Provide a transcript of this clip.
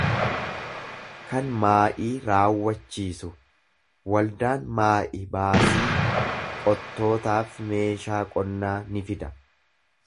kan maa'ii raawwachiisu; Waldaan maa'i baasii qottootaaf meeshaa qonnaa ni fida.